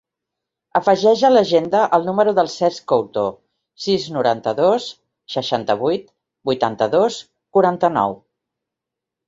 Afegeix a l'agenda el número del Cesc Couto: sis, noranta-dos, seixanta-vuit, vuitanta-dos, quaranta-nou.